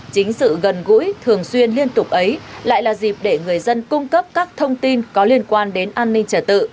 chính sự gần gũi thường xuyên liên tục ấy lại là dịp để người dân cung cấp các thông tin có liên quan đến an ninh trật tự